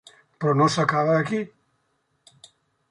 Però no s'acaba aquí.